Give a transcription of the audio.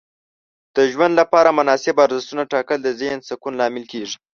د ژوند لپاره مناسب ارزښتونه ټاکل د ذهن سکون لامل کیږي.